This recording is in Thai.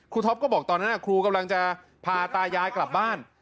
ท็อปก็บอกตอนนั้นครูกำลังจะพาตายายกลับบ้าน